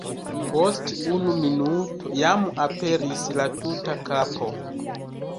Post unu minuto jam aperis la tuta kapo.